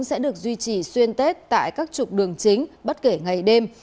sẽ được duy trì xuyên tết tại các trục đường chính bất kể ngày đêm